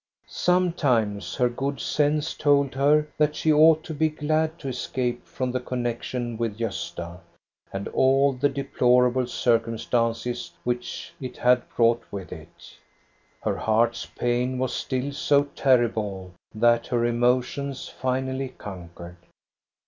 Sometimes her good sense told her that she ought to be glad to escape from the connection with Gosta, and all the deplorable circumstances which it had brought with it. Her heart's pain was still so terrible that her emotions finally conquered.